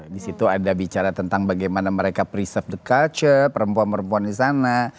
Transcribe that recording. di situ ada bicara tentang bagaimana mereka preserve the culture perempuan perempuan di sana